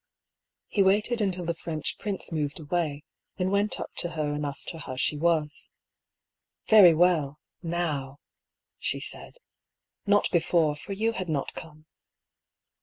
He waited until the French prince moved away, then went up to her and asked her how she was. " Very well, now^^^ she said. " Not before, for you had not come."